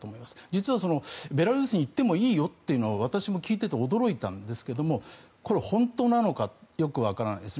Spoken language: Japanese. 実は、ベラルーシに行ってもいいよというのは私も聞いていて驚いたんですがこれ、本当なのかよくわからないです。